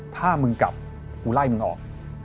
ถ้ามึงกลับกูไล่มึงออก